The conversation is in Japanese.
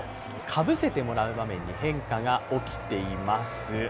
かぶせてもらう場面に変化が起きています。